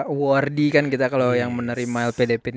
awardee kan kita kalo yang menerima lpdp